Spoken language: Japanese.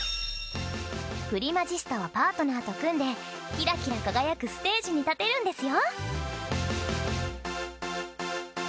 プリマジスタはパートナーと組んでキラキラ輝くステージに立てるんですよ。